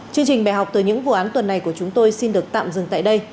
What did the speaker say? chương trình bài học từ những vụ án tuần này của chúng tôi xin được tạm dừng tại đây